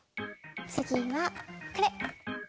つぎはこれ。